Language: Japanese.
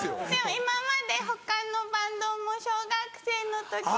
今まで他のバンドも小学生の時から。